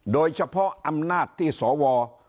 โดยเฉพาะอำนาจที่สว